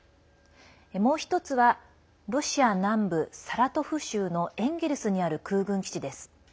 もう１つはロシア南部サラトフ州のエンゲルスにある空軍基地です。